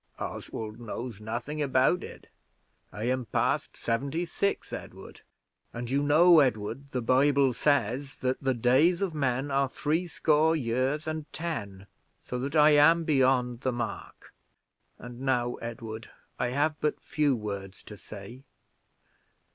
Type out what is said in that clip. "Oswald knows nothing about it. I am past seventy six, Edward; and you know, Edward, the Bible says that the days of man are threescore years and ten; so that I am beyond the mark. And now, Edward, I have but few words to say.